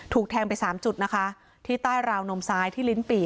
แทงไปสามจุดนะคะที่ใต้ราวนมซ้ายที่ลิ้นปี่